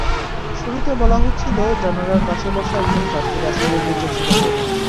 শুরুতে বলা হচ্ছিল, জানালার পাশে বসা একজন যাত্রীর আসনের নিচে ছিল বোমা।